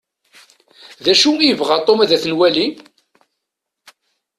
D acu i yebɣa Tom ad t-nwali?